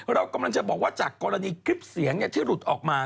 เรากำลังจะบอกว่าจากกรณีคลิปเสียงที่หลุดออกมา